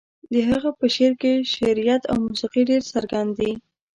د هغه په شعر کې شعريت او موسيقي ډېر څرګند دي.